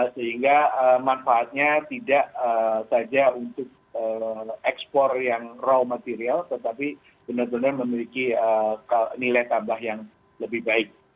sehingga manfaatnya tidak saja untuk ekspor yang raw material tetapi benar benar memiliki nilai tambah yang lebih baik